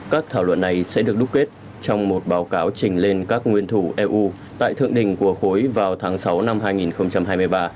các thảo luận này sẽ được đúc kết trong một báo cáo trình lên các nguyên thủ eu tại thượng đỉnh của khối vào tháng sáu năm hai nghìn hai mươi ba